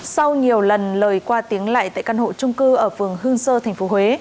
sau nhiều lần lời qua tiếng lại tại căn hộ trung cư ở phường hương sơ tp huế